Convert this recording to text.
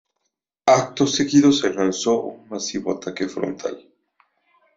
Acto seguido se lanzó un masivo ataque frontal.